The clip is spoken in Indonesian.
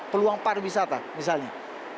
peluang pariwisata misalnya